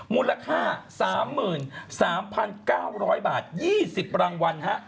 มูลค่า๓๓๙๐๐บาท๒๐รางวัล